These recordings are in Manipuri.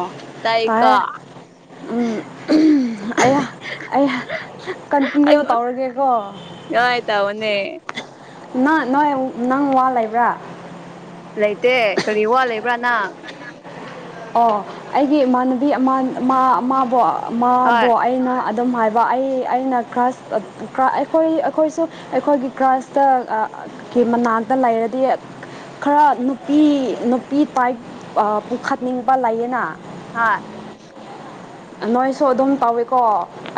ꯑ ꯇꯥꯏꯀꯣ ꯇꯦ [unintelligible] ꯑꯩ ꯑꯩ ꯀꯟꯇꯤꯅ꯭ꯌꯨ ꯇꯧꯔꯒꯦꯀꯣ ꯍꯥꯏꯥꯏ ꯇ ꯑꯣꯟꯅꯦ ꯅꯪ ꯅꯣꯏ ꯅꯪ ꯋꯥ ꯂꯩꯕ꯭ꯔꯥ ꯂꯩꯇꯦ ꯀꯔꯤ ꯋꯥ ꯂꯩꯕ꯭ꯔꯥꯅꯪ ꯑꯣ ꯑꯩꯒꯤ ꯏꯃꯥꯟꯅꯕꯤ ꯑꯃꯕ ꯍꯣꯏ ꯑꯃꯕꯨꯣ ꯑꯩꯅ ꯑꯗꯨꯝ ꯍꯥꯏꯕ ꯑꯩ ꯑꯩꯅ ꯀ꯭ꯔꯥꯁ ꯑꯩꯈꯣꯏ ꯑꯩꯈꯣꯏꯁꯨ ꯑꯩꯈꯣꯏꯒꯤ ꯀ꯭ꯔꯥꯁꯇ ꯃꯅꯥꯛꯇ ꯂꯩꯔꯗꯤ ꯈꯔ ꯅꯨꯄꯤ ꯅꯨꯄꯤ ꯄ ꯄꯨꯈꯠ ꯅꯤꯡꯕ ꯂꯌꯦꯅꯅꯥ ꯍꯥ ꯅꯣꯏꯁꯨ ꯑꯗꯨꯝ ꯇꯧꯋꯀꯣ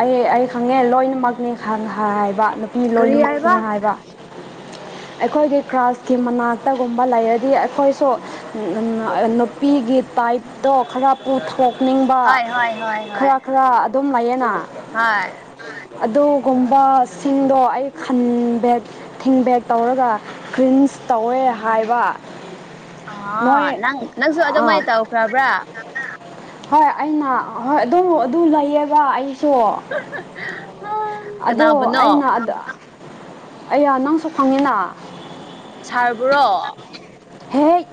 ꯑꯩ ꯑꯩ ꯈꯪꯉꯦ ꯂꯣꯏꯅꯃꯛꯅꯤ ꯈ ꯍꯥꯏ ꯍꯥꯏꯕ ꯅꯨꯄꯤ ꯂꯣꯏꯅꯃꯛꯅꯤ ꯍꯥꯏꯕ ꯑꯩꯈꯣꯏꯒꯤ ꯀ꯭ꯔꯥꯁꯀꯤ ꯃꯅꯥꯛꯇꯒꯨꯝꯕ ꯂꯩꯔꯗꯤ ꯑꯩꯈꯣꯏꯁꯨ ꯅꯨꯄꯤꯒꯤ ꯒꯤ ꯄꯥꯏꯞꯇꯣ ꯈꯔ ꯄꯨꯊꯣꯛꯅꯤꯡꯕ ꯍꯣꯏ ꯍꯣꯏ ꯍꯣꯏ ꯍꯣꯏ ꯈꯔ ꯈꯔ ꯑꯗꯨꯝ ꯂꯩꯌꯦꯅ ꯍꯣꯏ ꯑꯗꯨꯒꯨꯝꯕꯁꯤꯡꯗꯣ ꯑꯩ ꯈꯟꯕꯦ ꯊꯤꯡꯕꯦꯗ ꯇꯧꯔꯒ ꯀ꯭ꯔꯤꯟ ꯇꯧꯋꯦ ꯍꯥꯏꯕ ꯅꯣ ꯑꯥ ꯅꯪ ꯅꯪꯁꯨ ꯑꯥ ꯑꯗꯨꯃꯥꯏꯅ ꯇꯧꯈ꯭ꯔꯕ꯭ꯔꯥ ꯍꯣꯏ ꯑꯩꯅ ꯍꯣꯏ ꯑꯗꯨꯝ ꯑꯗꯨ ꯂꯩꯑꯕ ꯑꯩ ꯁꯣ ꯑꯗꯣ ꯀꯅꯥꯕꯨꯅꯣ ꯑꯩꯅ ꯑꯩꯌꯥ ꯅꯪꯁꯨ ꯈꯪꯉꯤꯅ ꯊꯥꯕ꯭ꯔꯣ ꯍꯦꯛ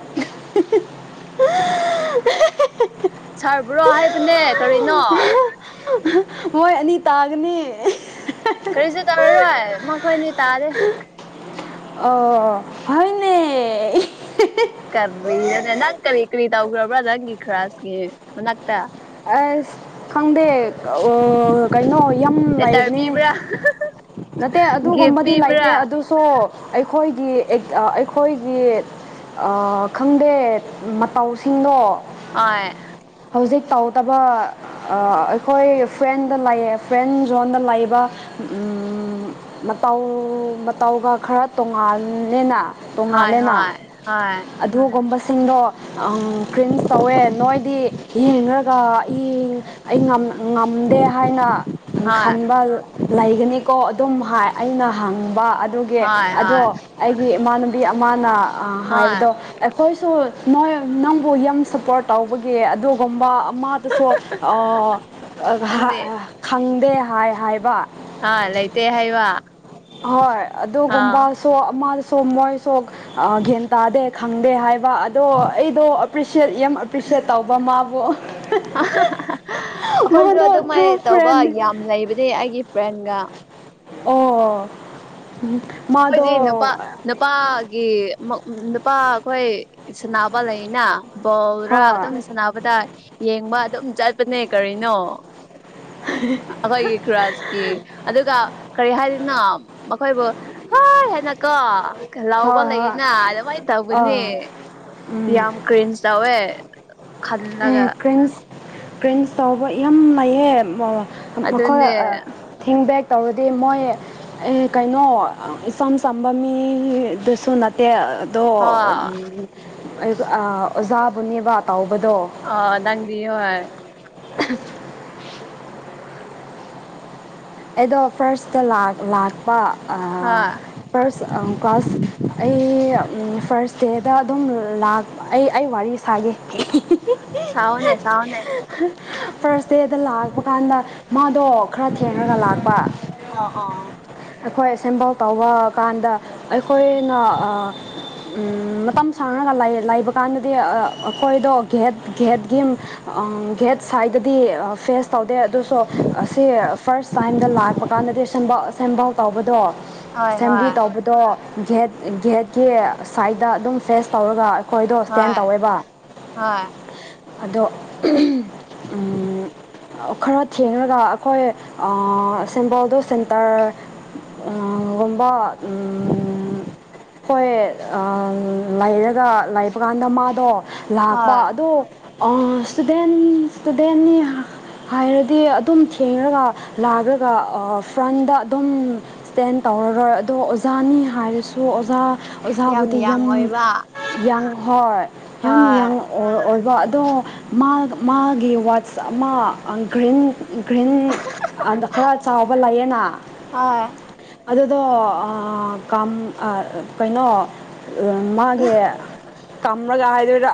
ꯁꯥꯔꯕ꯭ꯔꯣ ꯍꯥꯏꯕꯅꯦ ꯀꯔꯤꯅꯣ ꯃꯣꯏ ꯑꯅꯤ ꯇꯥꯒꯅꯤ ꯀꯔꯤꯁꯨ ꯇꯧꯔꯔꯣꯏ ꯃꯈꯣꯏꯅꯤ ꯇꯥꯔꯦ ꯑꯣ ꯍꯅꯦ ꯀꯗꯅꯦ ꯅꯪ ꯀꯔꯤ ꯏ ꯀꯔꯤ ꯇꯥꯎꯒ꯭ꯔꯣꯕ꯭ꯔꯥ ꯅꯪ ꯏꯈ꯭ꯔꯥꯁ ꯃꯅꯥꯛꯇ ꯑ ꯈꯪꯗ ꯑꯣ ꯀꯩꯅꯩꯅꯣ ꯌꯥꯝ ꯂꯦꯇꯔ ꯂꯩꯕꯅꯦ ꯄꯤꯕ꯭ꯔꯥ ꯅꯠꯇꯦ ꯒꯤꯐ ꯑꯗꯨꯒꯨꯝꯕꯗꯤ ꯂꯩꯇꯦ ꯄꯤꯕ꯭ꯔꯥ ꯑꯗꯨꯁꯨ ꯑꯩꯈ ꯑꯩꯈꯣꯏꯒꯤ ꯑꯩꯈꯣꯏꯒꯤ ꯈꯪꯗꯦ ꯃꯇꯧꯁꯤꯡꯗꯣ ꯑꯣ ꯍꯧꯖꯤꯛ ꯇꯥꯎ ꯐꯠꯇꯕ ꯑꯩꯈꯣꯏ ꯐ꯭ꯔꯦꯟꯗ ꯂꯩꯌꯦ ꯐ꯭ꯔꯦꯟ ꯖꯣꯟꯗ ꯂꯩꯕ ꯃꯇꯧ ꯃꯇꯧꯒ ꯈꯔ ꯇꯣꯉꯂꯦꯅ ꯍꯣꯏ ꯇꯣꯡꯉꯥꯜꯂꯦꯅ ꯍꯣꯏ ꯍꯣꯏ ꯑꯗꯨꯒꯨꯝꯕꯁꯤꯡꯗꯣ ꯀ꯭ꯔꯤꯝꯁ ꯇꯧꯋꯦ ꯅꯣꯏꯗꯤ ꯌꯦꯡꯔ ꯑꯩ ꯉꯝꯗꯦ ꯍꯥꯏꯅ ꯍꯣꯏ ꯈꯟꯕ ꯂꯩꯒꯅꯤꯀꯣ ꯑꯗꯨꯝ ꯍꯥꯏ ꯑꯩꯅ ꯍꯪꯕ ꯑꯗꯨꯒꯤ ꯍꯣꯏ ꯑꯗꯣ ꯍꯣꯏ ꯑꯩꯒꯤ ꯏꯃꯥꯟꯅꯨꯕꯤ ꯑꯃꯅ ꯍꯣꯏ ꯍꯥꯏꯕꯗꯣ ꯑꯩꯈꯣꯏꯁꯨ ꯅꯣꯏ ꯅꯪꯕꯨ ꯌꯥꯝ ꯁꯞꯄꯣꯔꯠ ꯇꯧꯕꯒꯤ ꯑꯗꯨꯒꯨꯝꯕ ꯑꯃꯗꯨꯁꯨ ꯈꯪꯗꯦ ꯈꯪꯗꯦ ꯍꯥꯏ ꯍꯥꯏꯕ ꯍꯥ ꯂꯩꯇꯦ ꯍꯥꯏꯩ ꯋꯥ ꯍꯣꯏ ꯑꯗꯨꯒꯨꯝꯕꯁꯨ ꯑꯃꯗꯁꯨ ꯃꯣꯏꯁꯨ ꯒ꯭ꯌꯥꯟ ꯇꯥꯗꯦ ꯈꯪꯗꯦ ꯍꯥꯏꯕ ꯑꯗꯣ ꯑꯩꯗꯣ ꯑꯦꯄ꯭ꯔꯤꯁꯦꯠ ꯌꯥꯝ ꯑꯦꯄ꯭ꯔꯤꯁꯦꯠ ꯇꯧꯕ ꯃꯥꯕꯨ ꯑ ꯑꯩꯈꯣꯏꯁꯨ ꯃꯥꯗꯣ ꯇ꯭ꯔꯨ ꯑꯗꯨꯃꯥꯏꯅ ꯇꯧꯕ ꯐ꯭ꯔꯦꯟ ꯌꯥꯝ ꯂꯩꯕꯗꯤ ꯑꯩꯒꯤ ꯐ꯭ꯔꯦꯟꯒ ꯑꯣ ꯑꯩꯈꯣꯏꯗꯤ ꯅꯨꯄꯥ ꯃꯥꯗꯣ ꯅꯨꯄꯥꯒꯤ ꯎ ꯅꯨꯄꯥ ꯑꯩꯈꯣꯏ ꯁꯅꯥꯕ ꯂꯩꯅ ꯕꯧꯔꯥ ꯍꯣꯏ ꯑꯗꯨꯝ ꯁꯅꯕꯗ ꯌꯦꯡꯕ ꯑꯗꯨꯝ ꯆꯠꯄꯅꯦ ꯀꯔꯤꯅꯣ ꯑꯩꯈꯣꯏꯒꯤ ꯀ꯭ꯔꯥꯁꯀꯤ ꯑꯗꯨꯒ ꯀꯔꯤ ꯍꯥꯏꯗꯅ ꯃꯈꯣꯏꯕꯨ ꯍꯣꯏ ꯍꯦꯟꯅꯀꯣ ꯂꯥꯎꯕ ꯍꯣꯏ ꯍꯣꯏ ꯂꯩꯌꯦꯅ ꯑꯗꯨꯃꯥꯏꯅ ꯇꯧꯕꯅꯦ ꯑꯥ ꯌꯥꯝ ꯀ꯭ꯔꯤꯟꯁ ꯇꯧꯋꯦ ꯈꯜꯂꯒ ꯑꯦ ꯀ꯭ꯔꯟꯁ ꯀ꯭ꯔꯟꯁ ꯇꯕ ꯌꯥꯝ ꯂꯩꯥꯏꯑꯦ ꯃꯈꯣꯏ ꯑꯗꯨꯅꯦ ꯊꯤꯡꯕꯦꯛ ꯇꯧꯔꯗꯤ ꯃꯣꯏ ꯑꯦ ꯀꯩꯅꯣ ꯏꯆꯝ ꯆꯝꯕ ꯃꯤꯗꯨꯁꯨ ꯅꯠꯇꯦ ꯑꯗꯣ ꯍꯣꯏ ꯑꯣꯖꯥꯕꯨꯅꯦꯕ ꯇꯥꯎꯕꯗꯣ ꯑ ꯗꯪꯗꯤ ꯍ [unintelligible] ꯑꯗꯣ ꯐꯥꯔꯁꯇ ꯂꯥꯛꯄ ꯍꯣꯏ ꯐꯥꯔꯁ ꯀ꯭ꯂꯥꯁ ꯑꯩ ꯐꯥꯁ ꯏꯁꯇꯦꯗ ꯑꯗꯨꯝ ꯂ ꯑꯩ ꯑꯩ ꯋꯥꯔꯤ ꯁꯥꯒꯦ ꯁꯥꯎꯑꯣꯅꯦ ꯁꯥꯎꯑꯣꯅꯦ ꯐꯥꯔꯁ ꯗꯦꯗ ꯂꯥꯛꯄ ꯀꯥꯟꯗ ꯃꯥꯗꯣ ꯈꯔ ꯊꯦꯡ ꯂꯥꯛꯄ ꯑꯣ ꯑꯣ ꯑꯩꯈꯣꯏ ꯑꯦꯁꯦꯝꯕꯜ ꯇꯧꯕ ꯀꯥꯟꯗ ꯑꯩꯈꯣꯏꯅ ꯃꯇꯝ ꯁꯥꯡꯅꯒ ꯂꯩꯕ ꯀꯥꯟꯗꯗꯤ ꯑꯩꯈꯣꯏꯗꯣ ꯒꯦꯠ ꯒꯦꯠꯀꯤ ꯒꯦꯠ ꯁꯥꯏꯗꯗꯤ ꯐꯦꯁ ꯇꯧꯗꯦ ꯑꯗꯨꯁꯨ ꯑꯁꯤ ꯐꯥꯔꯁ ꯇꯥꯏꯝꯗ ꯂꯥꯛꯄ ꯀꯥꯟꯗꯗꯤ ꯑꯁꯦꯝꯕꯜ ꯇꯧꯕꯗꯣ ꯍꯣꯏ ꯑꯁꯦꯝꯕ꯭ꯂꯤ ꯍꯣꯏ ꯇꯧꯕꯗꯣ ꯒꯦꯠ ꯒꯦꯠꯀꯤ ꯁꯥꯏꯗ ꯑꯗꯨꯝ ꯐꯦꯁ ꯇꯧꯔꯒ ꯍꯣꯏꯗꯣ ꯁ꯭ꯇꯦꯟ ꯍꯣꯏ ꯇꯧꯋꯦꯕ ꯍꯣꯏ ꯑꯗꯣ ꯈꯔ ꯊꯦꯡꯉꯒ ꯑꯩꯈꯣꯏ ꯑ ꯁꯤꯕꯜꯗ ꯁꯦꯟꯇꯔꯒꯨꯝꯕ ꯍꯣꯏ ꯂꯩꯔꯒ ꯂꯩꯕ ꯀꯥꯟꯗ ꯃꯥꯗꯣ ꯂꯥꯛꯄ ꯍꯣꯏ ꯑꯣ ꯏꯁꯇꯨꯗꯦꯟ ꯏꯁꯇꯨꯗꯦꯟꯅꯤ ꯍꯥꯏꯔꯗꯤ ꯑꯗꯨꯝ ꯊꯦꯡꯉꯒ ꯂꯥꯛꯈ꯭ꯔꯒ ꯐ꯭ꯔꯟꯗ ꯑꯗꯨꯝ ꯏꯁꯇꯦꯟ ꯇꯧꯔꯔꯣꯏ ꯑꯗꯣ ꯑꯣꯖꯥꯅꯤ ꯍꯥꯏꯔꯁꯨ ꯁꯣ ꯑꯣꯖꯥ ꯌꯥꯝ ꯑꯣꯖꯥꯕꯨꯗꯤꯤꯌ ꯌꯥꯡ ꯑꯣꯏꯕ ꯌꯥ ꯍꯣꯏ ꯌꯥꯝ ꯍꯣꯏ ꯑꯣꯏꯕ ꯑꯗꯣ ꯃꯥ ꯃꯥꯒꯤ ꯋꯥꯠꯁ ꯑꯃ ꯒ꯭ꯔꯤꯟ ꯒ꯭ꯔꯤꯟ ꯑꯗ ꯈꯔ ꯆꯥꯎꯕ ꯂꯩꯌꯦꯅ ꯍꯣꯏ ꯑꯗꯨ ꯑꯗꯣ ꯀꯩꯅꯣ ꯃꯥꯒꯤ ꯀꯝꯔꯒ ꯍꯥꯏꯗꯣꯏꯔꯥ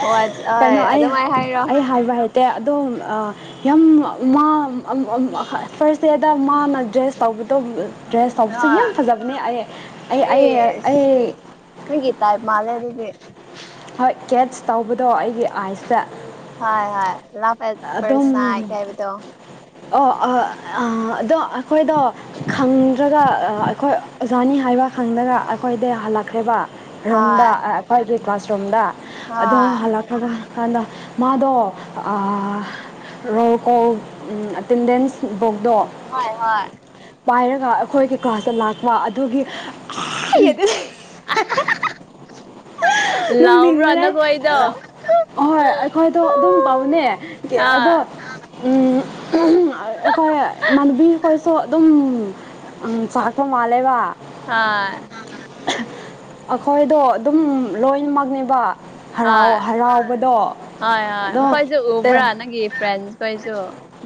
ꯍꯣꯏ ꯀꯩꯅꯣ ꯍꯣꯏ ꯑꯩ ꯑꯗꯨꯃꯥꯏꯅ ꯍꯥꯏꯔꯣ ꯑꯩ ꯍꯥꯏꯕ ꯍꯥꯏꯦ ꯇꯦ ꯑꯗꯣ ꯌꯥꯝ ꯐꯥꯔꯁ ꯗꯦꯗ ꯃꯥꯅ ꯗ꯭ꯔꯦꯁ ꯇꯧꯕꯗꯣ ꯗ꯭ꯔꯦꯁ ꯇꯧꯕꯁ ꯌꯥꯝ ꯍꯣꯏ ꯐꯖꯕꯅꯦ ꯑꯩ ꯑꯩ ꯑꯦꯁ ꯑꯩ ꯅꯪꯒꯤ ꯇꯥꯏꯞ ꯃꯥꯜꯂꯦ ꯑꯗꯨꯗꯤ ꯍꯣꯏ ꯀꯦꯠꯁ ꯇꯧꯕꯗꯣ ꯑꯩꯒꯤ ꯑꯥꯏꯁꯇ ꯍꯣꯏ ꯍꯣꯏ ꯂ ꯐ ꯑꯗꯨꯝ ꯐꯔꯁ ꯀꯥꯏ ꯑꯣ ꯑꯗꯣ ꯑꯩꯈꯣꯏꯗꯣ ꯈꯪꯗ꯭ꯔꯒ ꯑꯩꯈꯣꯏ ꯑꯣꯖꯥꯅꯤ ꯍꯥꯏ ꯂꯩꯕꯥꯛ ꯈꯪꯗꯒ ꯑꯩꯈꯣꯏꯗ ꯍꯜꯂꯛꯈ꯭ꯔꯦꯕ ꯔꯣꯨꯝꯗ ꯍꯣꯏ ꯐꯥꯏꯚ ꯗꯦ ꯀ꯭ꯂꯥꯁ ꯔꯣꯝꯗ ꯑꯗꯣ ꯍꯣꯏ ꯍꯜꯂꯛꯄꯒ ꯀꯅ ꯃꯥꯗꯣ ꯣ ꯀꯣ ꯑꯦꯇꯦꯟꯗꯦꯟꯁ ꯍꯣꯏ ꯍꯣꯏ ꯄꯥꯏꯔꯒ ꯑꯩꯈꯣꯏꯒꯤ ꯀ꯭ꯂꯥꯁꯇ ꯂꯥꯛꯄ ꯑꯗꯨꯒꯤ ꯅ ꯂꯥꯎꯕ꯭ꯔꯣ ꯃꯅꯦ ꯅꯈꯣꯏꯗꯣ ꯍꯣꯏ ꯑꯩꯈꯣꯏꯗꯣ ꯑꯗꯨꯝ ꯍꯣꯏ ꯄꯥꯅꯦ ꯑꯗꯣ ꯎꯝ ꯑꯩꯈꯣꯏ ꯃꯥꯟꯕꯤ ꯀꯣꯏꯁꯨ ꯑꯗꯨꯝ ꯎꯝ ꯆꯀꯄ ꯃꯥꯂꯦꯕ ꯑ ꯑꯩꯈꯣꯏꯗꯣ ꯑꯗꯨꯝ ꯂꯣꯏꯅꯃꯛꯅꯦꯕ ꯍꯔꯥꯎ ꯍꯣꯏ ꯍꯔꯥꯎꯕꯗꯣ ꯍꯣꯏ ꯍꯣꯏ ꯑꯗꯣ ꯃꯈꯣꯏꯁꯨ ꯎꯕ꯭ꯔꯥ ꯅꯪꯒꯤ ꯐ꯭ꯔꯦꯟꯁ ꯈꯣꯏꯁꯨ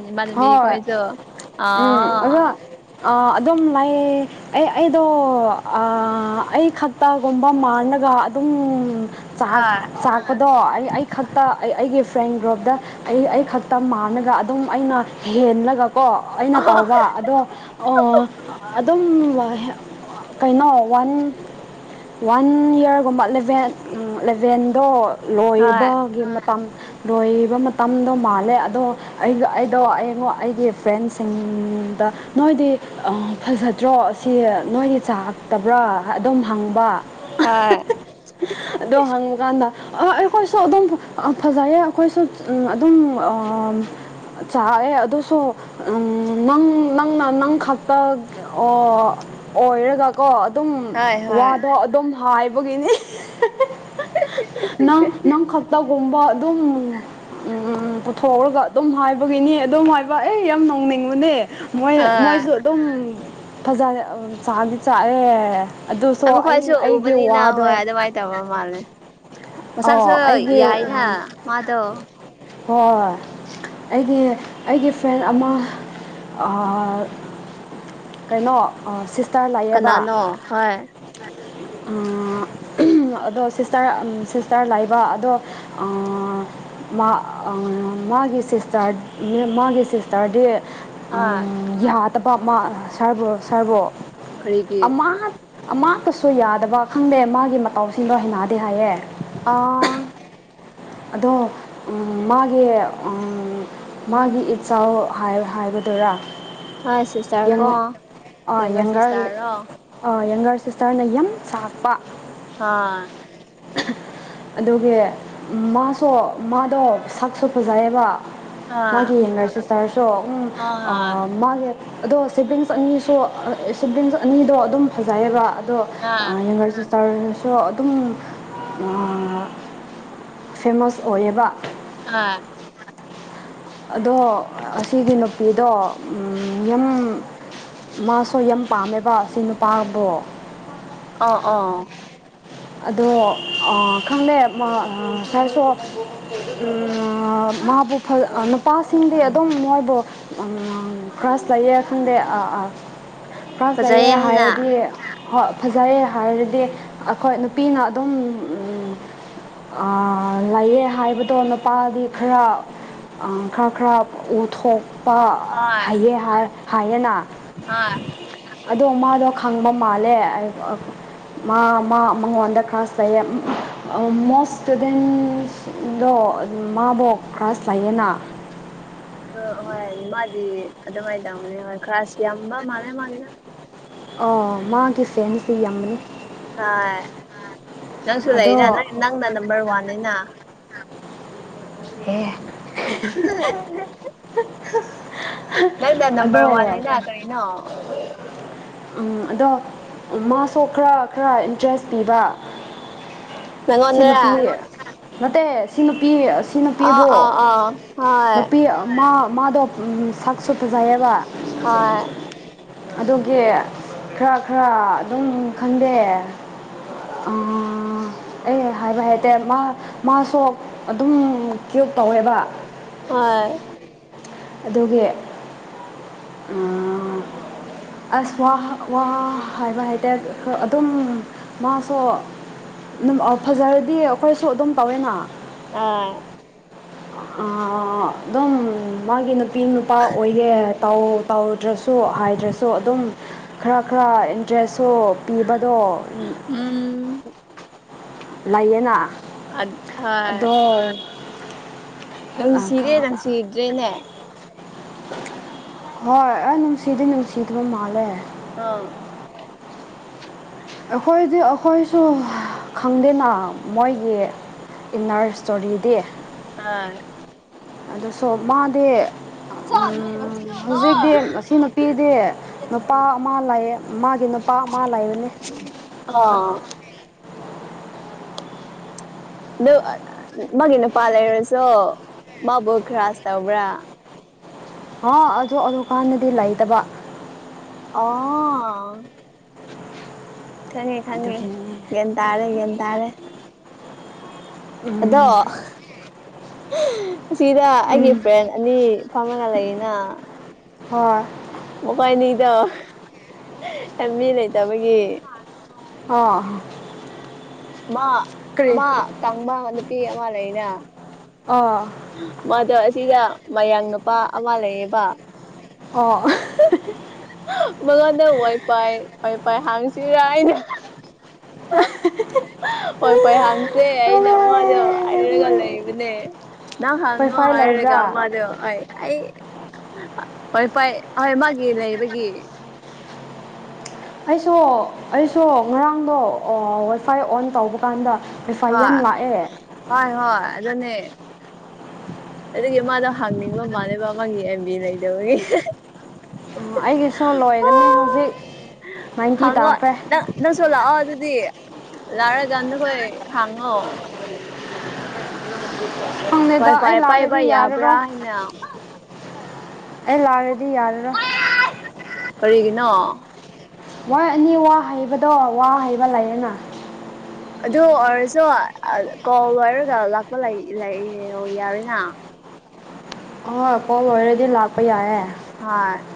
ꯏꯃꯥꯟꯅꯕꯤ ꯍꯣꯏ ꯈꯣꯏꯁꯨ ꯎꯝ ꯑꯗꯨ ꯑꯥ ꯑꯗꯨꯝ ꯂꯩ ꯑꯦ ꯑꯩꯗꯣ ꯑꯩ ꯈꯛꯇꯒꯨꯝꯕ ꯃꯥꯟꯅꯕ ꯑꯗꯨꯒ ꯑꯗꯨꯝ ꯍꯣꯏ ꯆꯥꯛꯄꯗꯣ ꯑꯩ ꯑꯩ ꯈꯛꯇ ꯑꯩ ꯑꯩꯒꯤ ꯐ꯭ꯔꯦꯟ ꯒ꯭ꯔꯨꯞꯇ ꯑꯩ ꯑꯩ ꯈꯛꯇ ꯃꯥꯟꯅꯒ ꯑꯗꯨꯝ ꯑꯩꯅ ꯍꯦꯜꯂꯒ ꯀꯣ ꯑꯩꯅ ꯍꯣꯏ ꯇꯧꯕ ꯑꯗꯣ ꯑꯣ ꯑꯗꯨꯝ ꯀꯩꯅꯣ ꯋꯥꯟ ꯋꯥꯟ ꯏꯌꯥꯔ ꯒꯨꯝꯕ ꯏꯂꯦꯚꯦꯟꯗꯣ ꯂꯣꯏꯕꯒꯤ ꯃꯇꯝ ꯂꯣꯏꯕ ꯃꯇꯝꯗꯣ ꯃꯥꯜꯂꯦ ꯑꯗꯣ ꯑꯩ ꯑꯗꯣ ꯑꯩꯉ ꯑꯩꯒꯤ ꯐ꯭ꯔꯦꯟꯁꯤꯡꯗ ꯅꯣꯏꯗꯤ ꯐꯖꯗ꯭ꯔꯣ ꯁꯤ ꯅꯣꯏꯒꯤ ꯆꯥꯛ ꯍꯛꯇꯕ꯭ꯔꯥ ꯑꯗꯨꯝ ꯍꯪꯕ ꯍꯣꯏ ꯑꯗꯣ ꯍꯪꯕꯀꯥꯟꯗ ꯑꯩꯈꯣꯏꯁꯨ ꯑꯗꯨꯝ ꯐꯖꯩꯌꯦ ꯑꯩꯈꯣꯏꯁꯨ ꯑꯗꯨꯝ ꯆꯥꯛꯑꯦ ꯑꯗꯨꯁꯨ ꯅꯪ ꯅꯪꯅ ꯅꯪ ꯈꯛꯇ ꯑꯣ ꯑꯣꯏꯔꯒ ꯀꯣ ꯑꯗꯨꯝ ꯍꯣꯏ ꯋꯥꯗꯣ ꯑꯗꯨꯝ ꯍꯥꯏꯕꯒꯤꯅꯤ ꯅꯪ ꯅꯪ ꯈꯛꯇꯒꯨꯝꯕ ꯑꯗꯨꯝ ꯄꯨꯊꯣꯛꯔꯒ ꯑꯗꯨꯝ ꯍꯥꯏꯕ ꯒꯤꯅꯤ ꯑꯗꯨꯑꯣꯏꯕ ꯑꯩ ꯌꯥꯝ ꯅꯣꯡꯅꯤꯡꯉꯨꯅꯦ ꯃꯣꯏ ꯃꯣꯏꯁꯨ ꯍꯣꯏ ꯑꯗꯨꯝ ꯐꯖꯔꯦ ꯆꯥꯗꯤ ꯆꯥꯛꯑꯦ ꯑꯗꯨꯁꯨ ꯑꯗꯨ ꯑꯩ ꯈꯣꯏꯁꯨ ꯑꯩꯒꯤ ꯎꯕꯅꯤꯅ ꯋꯥꯗꯣ ꯍꯣꯏ ꯑꯗꯨꯃꯥꯏꯅ ꯇꯧꯕ ꯃꯥꯜꯂꯦ ꯑꯧ ꯃꯁꯥꯛꯁꯨ ꯑꯩꯒꯤ ꯌꯥꯏꯅ ꯋꯥꯅ ꯃꯥꯗꯣ ꯍꯣꯏ ꯑꯩꯒꯤ ꯑꯩꯒꯤ ꯐ꯭ꯔꯦꯟ ꯑꯃ ꯀꯩꯅꯣ ꯁꯤꯁꯇꯔ ꯀꯅꯥꯅꯣ ꯍꯣꯏ ꯑ ꯑꯗꯣ ꯁꯤꯁꯇꯔ ꯁꯤꯁꯇꯔ ꯂꯥꯏꯕ ꯑꯗꯣ ꯃꯥꯒꯤ ꯁꯤꯁꯇꯔ ꯃꯥꯒꯤ ꯁꯤꯁꯇꯔꯗꯤ ꯍꯣꯏ ꯌꯥꯗꯕ ꯑꯃ ꯁꯥꯔꯕꯨ ꯁꯥꯔꯕꯨꯣ ꯀꯔꯤꯒꯤ ꯑꯃ ꯑꯃꯀꯁꯨ ꯌꯥꯗꯕ ꯈꯪꯗꯦ ꯃꯥꯒꯤ ꯃꯇꯥꯎꯁꯤꯡꯗ ꯍꯩꯩꯅꯗꯦ ꯍꯥꯏꯌꯦ ꯑꯥ ꯑꯗꯣ ꯃꯥꯒꯤ ꯃꯥꯒꯤ ꯏꯆꯥꯎ ꯍꯣꯏ ꯁꯤꯁꯇꯔ ꯀꯣ ꯌꯪꯒꯔ ꯁꯤꯁꯇꯔꯔꯣ ꯍꯥꯏꯕ [unintelligible] ꯁꯤꯁꯇꯔꯅ ꯌꯨꯝ ꯁꯥꯥꯛꯄ ꯍ ꯑꯗꯨꯒꯤ ꯃꯥꯁꯨ ꯃꯥꯗꯣ ꯁꯛꯁꯨ ꯐꯖꯩꯑꯕ ꯍꯣꯏ ꯃꯥꯒꯤ ꯌꯦꯡꯅꯔꯁꯤ ꯁꯥꯔꯁꯨ ꯎꯝ ꯍꯣꯏ ꯑ ꯃꯥꯒꯤ ꯑꯗꯣ ꯁꯤꯕ꯭ꯂꯤꯡꯁ ꯑꯅꯤꯁꯨ ꯁꯤꯕ꯭ꯂꯤꯡꯁ ꯑꯅꯤꯗꯣ ꯑꯗꯨꯝ ꯐꯖꯩꯌꯦꯕ ꯑꯗꯣ ꯍꯣꯏ ꯍꯣꯏ ꯌꯦꯡꯒꯔ ꯆꯥꯛ ꯆꯥꯔꯅꯁꯨ ꯑꯗꯨꯝ ꯐꯦꯃꯁ ꯑꯣꯏꯌꯦꯕ ꯑꯥ ꯑꯗꯣ ꯑꯁꯤꯒꯤ ꯅꯨꯄꯤꯗꯣ ꯌꯨꯝ ꯃꯥ ꯍꯣꯏ ꯌꯥꯝ ꯄꯥꯝꯃꯦꯕ ꯑꯁꯤ ꯅꯨꯄꯥꯕꯣ ꯑ ꯑ ꯑꯗꯣ ꯈꯪꯉꯦ ꯁꯥꯔꯁꯨ ꯃꯥꯕꯨ ꯅꯨꯄꯥꯁꯤꯡꯗꯤ ꯑꯗꯨꯝ ꯃꯣꯏꯕꯨ ꯀ꯭ꯔꯁ ꯂꯩꯌꯦ ꯈꯪꯗꯦ ꯐꯥꯁ ꯂꯩꯌꯦꯦ ꯐꯖꯩꯌꯦ ꯍꯥꯏꯅ ꯍꯥꯏꯔꯗꯤ ꯐꯖꯩꯦ ꯍꯥꯏꯔꯗꯤ ꯍꯣꯏ ꯅꯨꯄꯤꯅ ꯑꯗꯨꯝ ꯂꯩꯌꯦ ꯍꯥꯏꯕꯗꯣ ꯅꯨꯄꯥꯗꯤ ꯈꯔ ꯑ ꯈ꯭ꯔꯥ ꯈ꯭ꯔꯥꯕ ꯑꯣꯊꯣꯛ ꯄ ꯍꯣꯏ ꯍꯩꯌꯦꯦ ꯍꯥꯏꯌꯦꯅ ꯍꯣꯏ ꯑꯗꯣ ꯃꯥꯗꯣ ꯈꯪꯕ ꯃꯥꯜꯂꯦ ꯃꯥ ꯃꯉꯣꯟꯗ ꯀꯥꯁ ꯇꯌꯦ ꯃꯣꯁꯇꯨ ꯗꯦꯟ ꯗꯣ ꯃꯥꯕꯨꯣꯛ ꯀꯥꯁꯂꯌꯦꯦꯅꯥ ꯑꯗꯨ ꯍꯣꯏ ꯃꯥꯗꯤ ꯑꯗꯨꯃꯥꯏꯅ ꯇꯧꯅꯤ ꯍꯣꯏ ꯈꯔꯁꯨ ꯌꯥꯝꯕ ꯃꯥꯜꯂꯦ ꯃꯥꯒꯤꯅ ꯑꯣ ꯃꯥꯒꯤ ꯁꯦꯟꯁꯤ ꯌꯥꯝꯃꯅꯤ ꯍꯣꯏ ꯅꯪꯁꯨ ꯂꯩꯅ ꯅꯪ ꯅꯪꯅ ꯅꯝꯕꯔ ꯋꯥꯟꯅꯤꯅ ꯑꯦ ꯅꯪꯅ ꯑꯗꯣ ꯅꯝꯕꯝꯕꯔ ꯋꯥꯟꯅꯤ ꯂ ꯀꯔꯤꯅ ꯎꯝ ꯑꯗꯣ ꯃꯥꯁꯨ ꯈꯔ ꯈꯔ ꯏꯟꯇꯔꯦꯁ ꯄꯤꯕ ꯁꯤ ꯅꯨꯄꯤ ꯅꯪꯉꯣꯟꯗꯔ ꯅꯠꯇꯦ ꯁꯤ ꯅꯨꯄꯤ ꯁꯤ ꯑꯥ ꯑꯥ ꯅꯨꯄꯤꯕꯨ ꯑꯥ ꯍꯣꯏ ꯅꯨꯄꯤ ꯑꯃ ꯃꯥꯗꯣ ꯁꯛ ꯁꯨ ꯄꯖꯥꯏꯌꯦꯕ ꯍꯣꯏ ꯑꯗꯨꯒꯤ ꯈꯔ ꯈꯔ ꯑꯗꯨꯝ ꯈꯪꯗꯦ ꯎꯝ ꯑꯩ ꯍꯥꯏꯕ ꯍꯩꯇꯦ ꯃꯥ ꯃꯥꯁꯨ ꯑꯗꯨꯝ ꯀꯌ꯭ꯨꯕ ꯇꯧꯋꯦꯕ ꯍꯣꯏ ꯑꯗꯨꯒꯤ ꯎꯝ ꯑꯁ ꯋꯥ ꯋꯥ ꯍꯥꯏꯕ ꯍꯥꯏꯇꯔꯦ ꯑꯗꯨꯝ ꯃꯥꯁꯨ ꯗꯨꯝ ꯐꯖꯔꯗꯤ ꯈꯣꯏꯁꯨ ꯑꯗꯨꯝ ꯇꯧꯋꯦꯅ ꯑꯥ ꯑ ꯑꯗꯨꯝ ꯃꯥꯒꯤ ꯅꯨ ꯄꯤ ꯅꯨꯄꯥ ꯑꯣꯏꯒꯦ ꯇꯧꯔꯗ꯭ꯔꯁꯨ ꯍꯥꯏꯗ꯭ꯔꯁꯨ ꯑꯗꯨꯝ ꯈꯔ ꯈꯔ ꯗ꯭ꯔꯦꯁꯨ ꯄꯤꯕꯗꯣ ꯎꯝ ꯂꯩꯥꯏꯌꯦꯅ ꯑꯗꯣ ꯅꯪ ꯁꯤꯔꯦ ꯅꯪ ꯁꯤꯗ꯭ꯔꯦꯅꯦ ꯍꯣꯏ ꯑ ꯅꯨꯡꯁꯤꯗꯤ ꯅꯨꯡꯁꯤꯗ ꯃ ꯃꯥꯂꯦ ꯑꯥ ꯑꯈꯣꯏꯗꯤ ꯑꯩꯈꯣꯏꯁꯨ ꯈꯪꯗꯦꯅ ꯃꯣꯏꯒꯤ ꯏꯟꯅꯔ ꯏꯁꯇꯣꯔꯤꯗꯤ ꯑꯥ ꯑꯗꯨꯁꯣ ꯃꯥꯗꯤ ꯎꯝ ꯍꯧꯖꯤꯛꯇꯤ ꯃꯁꯤ ꯅꯨꯄꯤꯗꯤ ꯅꯨꯄꯥ ꯑꯃ ꯂꯥꯛꯑꯦ ꯃꯥ ꯒꯤ ꯅꯨꯄꯥ ꯑꯃ ꯂꯩꯕꯅꯦ ꯑꯣ [unintelligible] ꯑꯗꯨ ꯃꯥꯒꯤ ꯅꯨꯄꯥ ꯂꯩꯔꯁꯨ ꯃꯥꯕꯨ ꯈ꯭ꯔꯥꯁ ꯇꯧꯕ꯭ꯔꯥ ꯍꯥ ꯑꯗꯨ ꯑꯗꯨꯀꯥꯟꯗꯗꯤ ꯂꯩꯇꯕ ꯑꯥ ꯈꯪꯉꯦ ꯈꯪꯉꯦ ꯑꯗꯨꯒꯤꯅꯦ ꯒ꯭ꯟ ꯇꯥꯔꯦ ꯒ꯭ꯟ ꯇꯥꯔꯦ ꯑꯗꯣ ꯎꯝ ꯑꯁꯤꯗ ꯑꯩꯒꯤ ꯎꯝ ꯐ꯭ꯔꯦꯟ ꯑꯅꯤ ꯐꯥꯝꯔꯒ ꯂꯩꯌꯦꯅ ꯍꯣꯏ ꯃꯈꯣꯏꯅꯤꯗꯣ ꯃꯤ ꯂꯩꯇꯕꯒꯤ ꯑꯥ ꯃ ꯀꯔꯤ ꯑꯃ ꯀꯥꯡꯕ ꯅꯨꯄꯤ ꯑꯃ ꯂꯩꯅ ꯑꯥ ꯃꯗꯣ ꯑꯁꯤꯗ ꯃꯌꯥꯡ ꯅꯨꯄꯥ ꯑꯃ ꯂꯩꯌꯦꯕ ꯑꯥ ꯃꯉꯣꯜ ꯗ ꯋꯥꯏ ꯄꯥꯏ ꯋꯥ ꯄꯥꯏ ꯍꯥꯡꯁꯤ ꯥꯔꯥꯏꯅ ꯑ ꯍꯣꯏ ꯄꯣꯏ ꯍꯥꯡꯁꯦ ꯑꯩꯅ ꯃꯗꯣ ꯉꯥꯏꯔꯒ ꯂꯩꯕꯅꯦ ꯅꯪ ꯍꯪꯉꯣ ꯋꯥꯏꯐꯥꯏ ꯍꯥꯏꯔꯒ ꯂꯩꯕ꯭ꯔꯥ ꯃꯑꯗꯨ ꯑꯩ ꯑꯩ ꯋꯥꯏ ꯄꯥꯏ [unintelligible] ꯑꯩꯁꯨ ꯑꯩꯁꯨ ꯉꯔꯥꯡꯗꯣ ꯋꯥꯏꯐꯥꯏ ꯑꯣꯟ ꯇꯧꯕ ꯀꯥꯟꯗ ꯋꯥꯏꯐꯥꯏ ꯌꯥꯝ ꯍꯣꯏ ꯂꯥꯛꯑꯦ ꯍꯣꯏ ꯍꯣꯏ ꯑꯗꯨꯅꯦ ꯑꯗꯨꯒꯤ ꯃꯥꯗꯣ ꯍꯥꯡꯅꯤꯡꯕ ꯃꯥꯅꯦꯕ ꯃꯥꯒꯤ ꯑꯦꯝꯕꯤ ꯂꯩꯗꯕꯒꯤ ꯑꯩꯒꯤ ꯁꯣ ꯂꯣꯏꯒꯅꯤ ꯍꯧꯖꯤꯛ ꯅꯥꯏꯟꯇꯤ ꯍꯪꯉꯣ ꯇꯥꯈ꯭ꯔꯦ ꯅꯪ ꯅꯪ ꯆꯣꯂꯛꯑꯣ ꯑꯗꯨꯗꯤ ꯂꯔꯖꯥꯟꯗꯈꯣꯏ ꯍꯉꯣ ꯐꯪꯉꯦꯗ ꯋꯥꯏ ꯑꯩ ꯐꯥꯏ ꯄꯥꯏꯕ ꯂꯥꯛꯑꯗꯤ ꯌꯥꯔꯔꯣ ꯌꯥꯕ꯭ꯔꯥ ꯍꯥꯏꯅ ꯑꯦ ꯂꯥꯔꯦꯗꯤ ꯌꯥꯗꯅ ꯀꯔꯤꯒꯤꯅꯣ ꯋꯥ ꯑꯅꯤ ꯋꯥ ꯍꯩꯕꯗꯣ ꯋꯥ ꯍꯩꯕ ꯂꯩꯌꯦꯦꯅ ꯑꯗꯨ ꯑꯣꯏꯔꯁꯨ ꯀꯣꯜ ꯂꯔꯒ ꯂꯥꯛꯄ ꯂ ꯌꯥꯔꯦꯅ ꯑ ꯀꯣ ꯑꯣꯏꯔꯗꯤ ꯂꯥꯛꯄ ꯌꯥꯔꯦ ꯍꯣꯏ